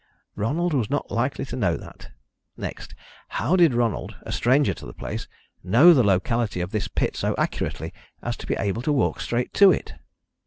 "Ronald was not likely to know that. Next, how did Ronald, a stranger to the place, know the locality of this pit so accurately as to be able to walk straight to it?"